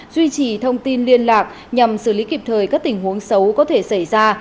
duy trì thông tin liên lạc nhằm xử lý kịp thời các tình huống xấu có thể xảy ra